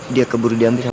dia keburu diam tuhan